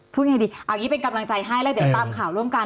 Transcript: พูดยังไงดีเอาอย่างนี้เป็นกำลังใจให้แล้วเดี๋ยวตามข่าวร่วมกัน